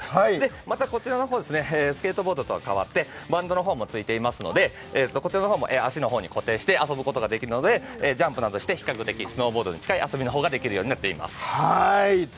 またこちらの方、スケートボートと違ってバンドの方も付いてますので、こちらも足に固定して遊ぶことができますのでジャンプなどして比較的スノーボードに近い遊びができるようになっています。